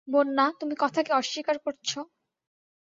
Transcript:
বন্যা, তুমি কথাকে অস্বীকার করছ?